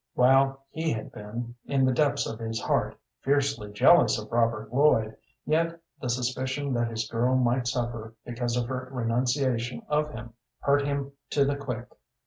While he had been, in the depths of his heart, fiercely jealous of Robert Lloyd, yet the suspicion that his girl might suffer because of her renunciation of him hurt him to the quick.